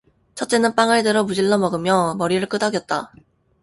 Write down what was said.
첫째는 빵을 들어 무질러 먹으며 머리를 끄덕이었다.